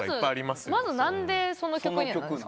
まず何でその曲？